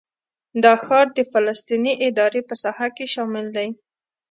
دا ښار د فلسطیني ادارې په ساحه کې شامل دی.